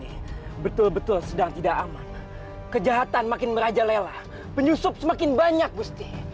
yang tidak aman kejahatan makin merajalela penyusup semakin banyak gusti